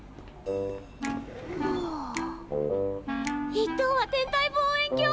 一等は天体望遠鏡！